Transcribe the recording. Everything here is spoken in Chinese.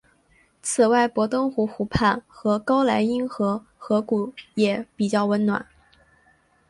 此外博登湖湖畔和高莱茵河河谷也比较温暖。